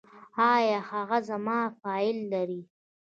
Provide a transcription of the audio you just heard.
ایا هغه زما فایل لري؟